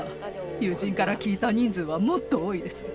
友人から聞いた人数はもっと多いです。